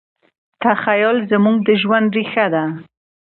تخیل زموږ د ژوند ریښه ده.